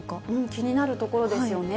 気になるところですよね。